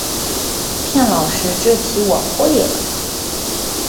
骗老师这题我会了